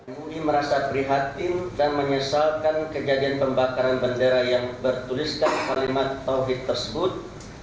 mui merasa prihatin dan menyesalkan kejadian pembakaran bendera yang bertuliskan kalimat tauhid tersebut